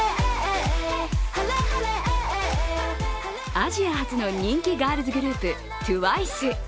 アジア発の人気ガールズグループ・ＴＷＩＣＥ。